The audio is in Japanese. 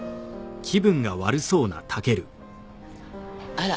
あら。